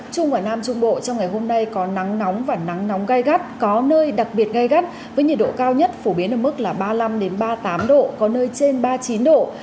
trung và nam trung bộ trong ngày hôm nay có nắng nóng và nắng nóng gai gắt có nơi đặc biệt gai gắt với nhiệt độ cao nhất phổ biến ở mức ba mươi năm ba mươi tám độ có nơi trên ba mươi chín độ